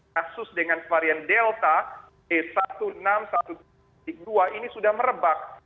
kasus dengan varian delta e enam belas e dua belas ini sudah merebak